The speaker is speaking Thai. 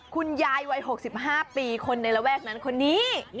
คุณยายวัย๖๕ปีคนในระแวกนั้นคนนี้